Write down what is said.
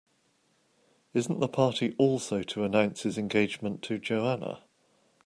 Isn't the party also to announce his engagement to Joanna?